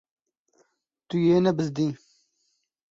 Tu yê nebizdî.